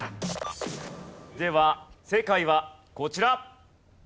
では正解はこちら。